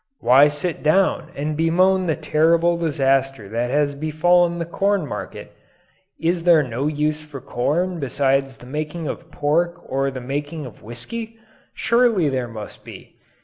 Why sit down and bemoan the terrible disaster that has befallen the corn market? Is there no use for corn besides the making of pork or the making of whisky? Surely there must be.